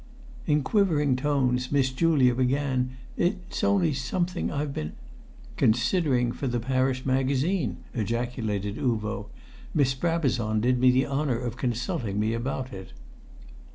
In quivering tones Miss Julia began, "It's only something I've been " "Considering for the Parish Magazine," ejaculated Uvo. "Miss Brabazon did me the honour of consulting me about it."